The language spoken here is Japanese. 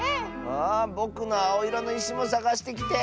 あぼくのあおいろのいしもさがしてきて。